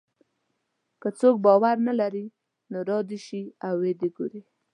که څوک باور نه لري نو را دې شي او وګوري.